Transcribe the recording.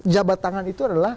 jabat tangan itu adalah